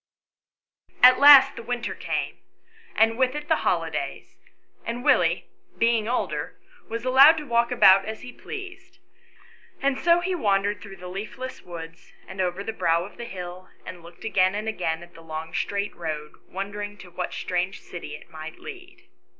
At last the winter came ; and with it the holi days ; and Willie, being older, was allowed to walk about as he pleased, and so he wandered through the leafless woods, and over the brow of the hill, and looked again and again at the long straight road, wondering to what strange city it might lead.